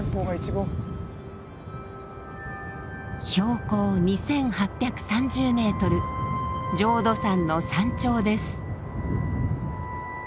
標高２，８３０メートル浄土山の山頂です。